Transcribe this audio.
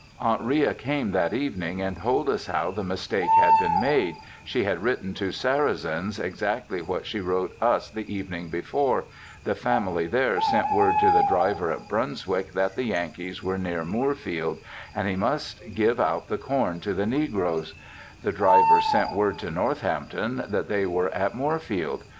Aunt Ria came that evening and told us how the mistake had been made, she had written to Sarrazins exactly what she wrote us the evening before; the family there sent word to the driver at Brunswick that the Yankees were near Moorfield, and he must give out the corn to the negroes; the driver sent word to Northampton that they were at Moorfield.